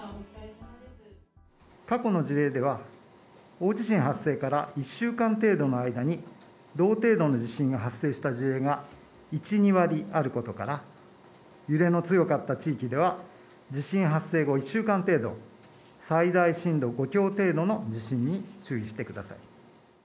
過去の事例では、大地震発生から１週間程度の間に、同程度の地震が発生した事例が１、２割あることから、揺れの強かった地域では、地震発生後、１週間程度、最大震度５強程度の地震に注意してください。